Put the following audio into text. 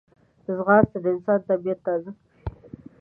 ځغاسته د انسان طبیعت تازه کوي